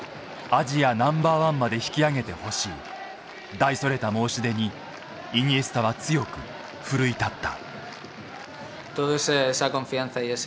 大それた申し出にイニエスタは強く奮い立った。